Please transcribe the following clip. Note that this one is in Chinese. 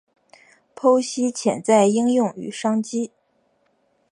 剖析潜在应用与商机